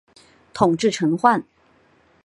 统制陈宧。